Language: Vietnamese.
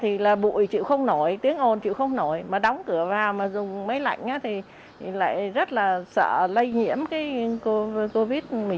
thì là bụi chịu không nổi tiếng ồn chịu không nổi mà đóng cửa ra mà dùng máy lạnh thì lại rất là sợ lây nhiễm cái covid một mươi chín